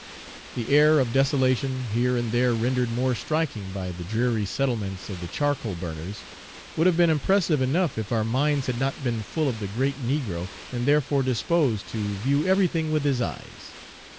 The air of desolation, here and there rendered more striking by the dreary settlements of the charcoal burners, would have been impressive enough if our minds had not been full of the great negro, and therefore disposed to view everything with his eyes.